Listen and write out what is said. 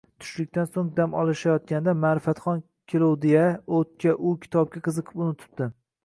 Tushlikdan soʼng dam olishayotganda Maʼrifatxon ketuvdi-ya oʼtga, u kitobga qiziqib unutibdi.